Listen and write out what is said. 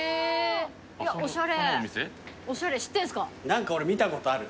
何か俺見たことある。